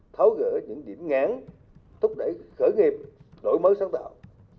tháo rỡ những diễn ngán thúc đẩy khởi nghiệp đổi mới sáng tạo